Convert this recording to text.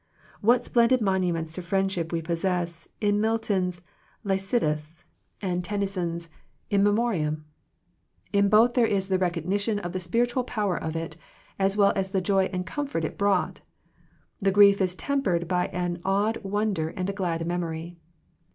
What splendid monuments to friendship we possess in Milton's Lycidas and Tenny 25 Digitized by VjOOQIC THE MIRACLE OF FRIENDSHIP son's In Memoriaml In both there is the recognition of the spiritual power of it, as well as the joy and comfort it brought. The grief is tempered by an awed wonder and a glad memory.